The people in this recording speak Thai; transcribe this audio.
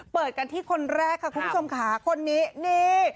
เปิดกันที่คนแรกค่ะคุณผู้ชมค่ะคนนี้นี่